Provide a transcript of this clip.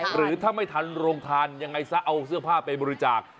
หรือถ้าไม่ทันโรงทานยังไงซะเอาเสื้อผ้าไปบริจาค